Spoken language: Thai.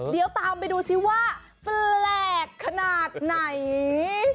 เดี๋ยวตามไปดูซิว่าแปลกขนาดไหน